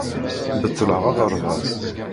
Beṭleɣ aɣerbaz.